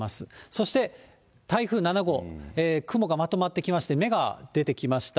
そして台風７号、雲がまとまってきまして、目が出てきました。